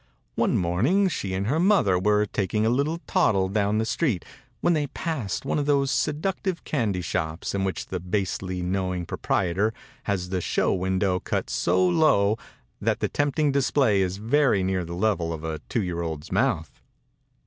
One morning she and her mother were taking a little toddle down the street when they passed one of those seductive candy shops in which the basely knowing proprietor has the show windows cut so low that the tempting display is very near the level of a two year old's mouth.